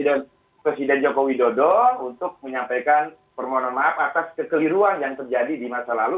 dan juga presiden jokowi dodo untuk menyampaikan permohonan maaf atas kekeliruan yang terjadi di masa lalu